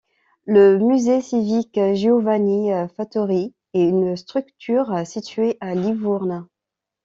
Le musée civique Giovanni Fattori est une structure située à Livourne.